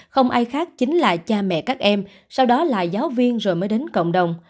không ai khác chính là cha mẹ các em sau đó là giáo viên rồi mới đến cộng đồng